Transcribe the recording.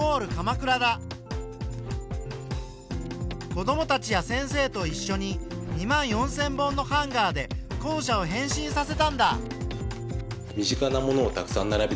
子どもたちや先生と一しょに２万４，０００本のハンガーで校舎を変身させたんだ。